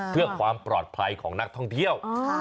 เพื่อความปลอดภัยของนักท่องเที่ยว